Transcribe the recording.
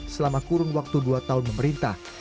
selama kurun waktu dua tahun memerintah